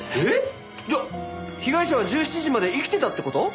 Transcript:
えっ？じゃあ被害者は１７時まで生きてたって事？